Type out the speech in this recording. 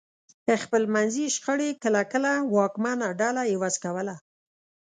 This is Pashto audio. خپلمنځي شخړې کله کله واکمنه ډله عوض کوله